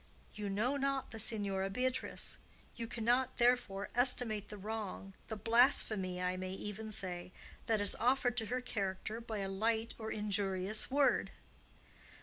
You know not the Signora Beatrice. You cannot, therefore, estimate the wrong—the blasphemy, I may even say—that is offered to her character by a light or injurious word."